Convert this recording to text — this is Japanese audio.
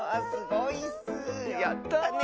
やったね！